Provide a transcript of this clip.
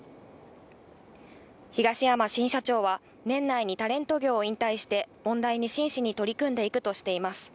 東山新社長は、年内にタレント業を引退して、問題に真摯に取り組んでいくとしています。